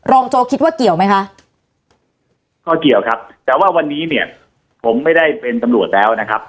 โจคิดว่าเกี่ยวไหมคะก็เกี่ยวครับแต่ว่าวันนี้เนี่ยผมไม่ได้เป็นตำรวจแล้วนะครับ